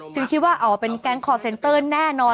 คิดว่าอ๋อเป็นแก๊งคอร์เซ็นเตอร์แน่นอน